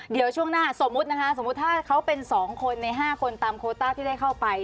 เดี๋ยวช่วงหน้าสมมติถ้าเป็น๒คนใน๕คนตามโควต้าที่ได้เข้าไป